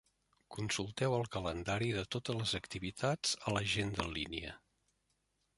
Consulteu el calendari de totes les activitats a l'agenda en línia.